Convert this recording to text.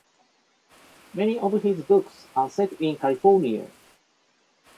Many of his books are set in California.